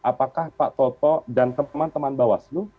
apakah pak toto dan teman teman bawaslu